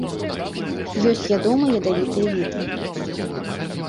Ёсць ядомыя і ядавітыя віды.